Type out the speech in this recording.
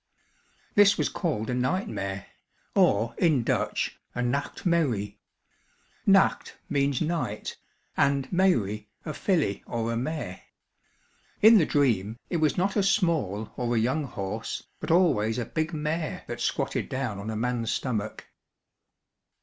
This was called a nightmare, or in Dutch a "nacht merrie." "Nacht" means night, and "merrie" a filly or a mare. In the dream, it was not a small or a young horse, but always a big mare that squatted down on a man's stomach.